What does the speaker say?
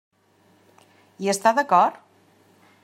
Hi està d'acord?